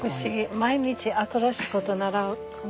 毎日新しいこと習う。